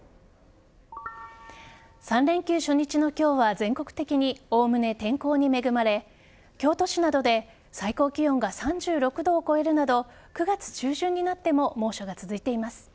３連休初日の今日は全国的におおむね天候に恵まれ京都市などで最高気温が３６度を超えるなど９月中旬になっても猛暑が続いています。